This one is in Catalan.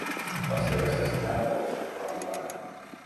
Va ser assassinada pel seu propi pare.